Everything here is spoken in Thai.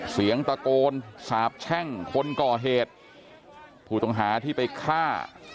เสียงตะโกนสาบแช่งคนก่อเหตุผู้ต้องหาที่ไปฆ่า